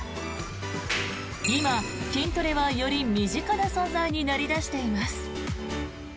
今、筋トレはより身近な存在になり出しています。